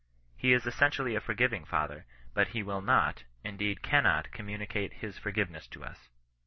He is essen tially a forgiving Father, but he wUl not, indeed cannot communicate his forgiveness to us.